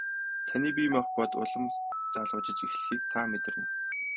Таны бие махбод улам залуужиж эхлэхийг та мэдэрнэ.